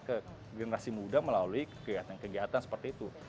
ke generasi muda melalui kegiatan kegiatan seperti itu